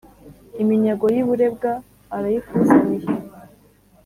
iminyago y'i burebwa arayikuzaniye.